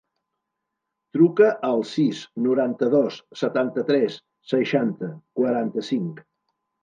Truca al sis, noranta-dos, setanta-tres, seixanta, quaranta-cinc.